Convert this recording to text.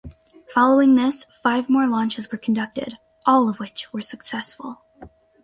Following this, five more launches were conducted, all of which were successful.